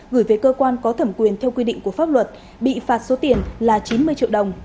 gửi về cơ quan có thẩm quyền theo quy định của pháp luật bị phạt số tiền là chín mươi triệu đồng